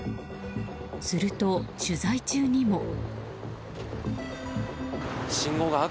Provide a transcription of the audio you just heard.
すると取材中にも。